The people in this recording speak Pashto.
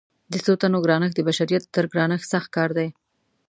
د څو تنو ګرانښت د بشریت تر ګرانښت سخت کار دی.